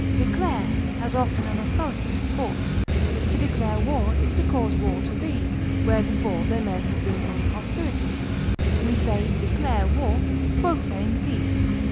Declare has often an authoritative force; to declare war is to cause war to be, where before there may have been only hostilities; we say declare war, proclaim peace.